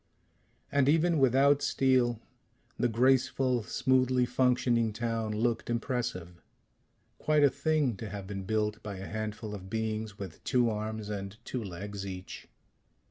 And even without steel, the graceful, smoothly functioning town looked impressive quite a thing to have been built by a handful of beings with two arms and two legs each.